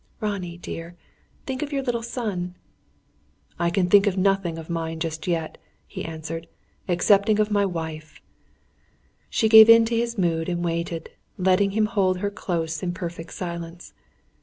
"Ronnie dear think of your little son." "I can think of nothing of mine just yet," he answered, "excepting of my wife." She gave in to his mood, and waited; letting him hold her close in perfect silence.